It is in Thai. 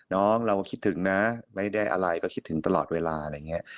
น้องเราก็คิดถึงนะไม่ได้อะไรก็คิดถึงตลอดเวลาอะไรอย่างนี้